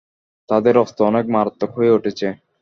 তাদের অস্ত্র অনেক মারাত্মক হয়ে উঠেছে।